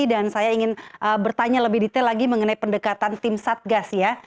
dan saya ingin bertanya lebih detail lagi mengenai pendekatan tim satgas ya